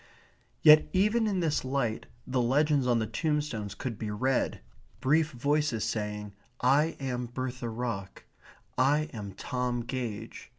Yet even in this light the legends on the tombstones could be read, brief voices saying, "I am Bertha Ruck," "I am Tom Gage."